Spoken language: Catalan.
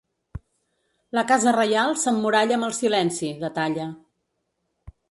La casa reial s’emmuralla amb el silenci, detalla.